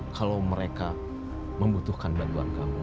kalau mereka membutuhkan bantuan kamu